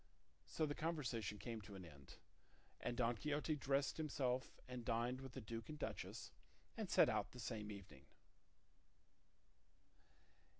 '" So the conversation came to an end, and Don Quixote dressed himself and dined with the duke and duchess, and set out the same evening.